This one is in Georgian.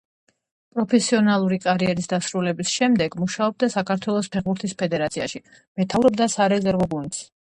პროფესიონალური კარიერის დასრულების შემდეგ მუშაობდა საქართველოს ფეხბურთის ფედერაციაში, მეთაურობდა სარეზერვო გუნდს.